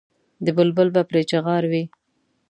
د بلبل به پرې چیغار وي.